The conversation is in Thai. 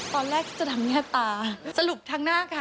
ตอนแรกจะทำเงียบตาสรุปทางหน้าค่ะ